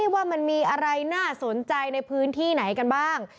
ว่ามันมีอะไรน่าสนใจในพื้นที่ไหนกันบ้าง